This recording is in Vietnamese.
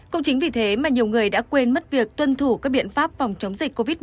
cũng chính vì thế mà nhiều người đã quên mất việc tuân thủ các biện pháp phòng chống dịch covid một mươi chín